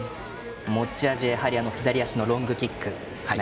持ち味やはり左足のロングキック。